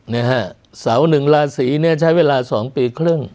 เนี่ยฮะเสาหนึ่งลาศรีเนี่ยใช้เวลา๒ปีครึ่ง